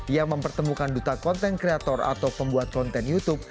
ia mempertemukan duta konten kreator atau pembuat konten youtube